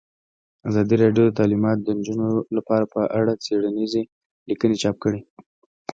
ازادي راډیو د تعلیمات د نجونو لپاره په اړه څېړنیزې لیکنې چاپ کړي.